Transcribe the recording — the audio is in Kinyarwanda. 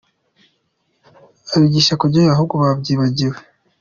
abagishaka kujyayo ahubwo babyibagirwe.